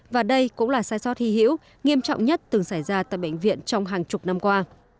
và đây cũng là sai sót hy hữu nghiêm trọng nhất từng xảy ra tại bệnh viện trong hàng chục năm qua